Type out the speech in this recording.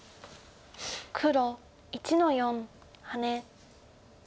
黒１の四ハネ。